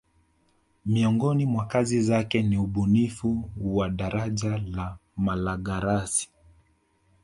Miongoni mwa kazi zake ni ubunifu wake wa daraja la Malagarasi